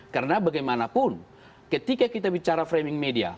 karena bagaimanapun ketika kita bicara framing media